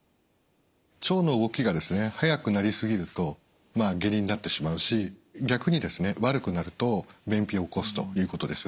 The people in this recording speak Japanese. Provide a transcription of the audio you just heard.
腸の動きが速くなり過ぎると下痢になってしまうし逆にですね悪くなると便秘を起こすということです。